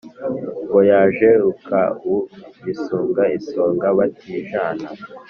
Ngo yaje Rukabu bisunga isonga batijana